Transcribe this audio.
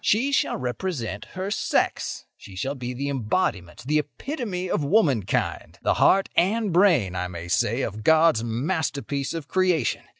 "She shall represent her sex; she shall be the embodiment, the epitome of womankind—the heart and brain, I may say, of God's masterpiece of creation.